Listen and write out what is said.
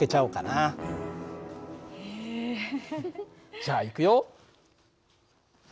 じゃあいくよ。